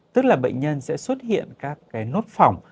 tức là bệnh nhân sẽ xuất hiện các cái nốt phòng